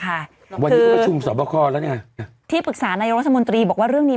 ค่ะวันนี้ก็ประชุมสอบคอแล้วเนี่ยที่ปรึกษานายกรัฐมนตรีบอกว่าเรื่องนี้